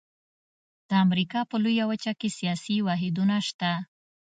د امریکا په لویه وچه کې سیاسي واحدونه شته.